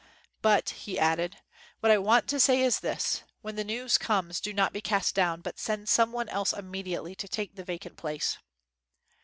But," he added, "what I want to say is this; when the news comes, do not be cast down, but send some one else immediately to take the vacant place."